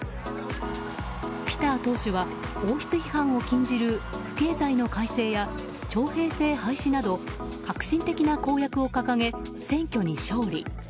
ピター党首は、王室批判を禁じる不敬罪の改正や徴兵制廃止など革新的な公約を掲げ選挙に勝利。